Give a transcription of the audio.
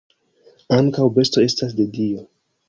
Ankaŭ bestoj estas de Dio.